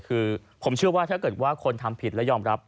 คือผมเชื่อว่าถ้าเกิดว่าคนทำผิดและยอมรับ